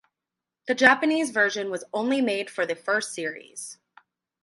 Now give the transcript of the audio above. The Japanese version was only made for the first series.